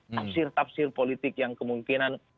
tafsir tafsir politik yang kemungkinan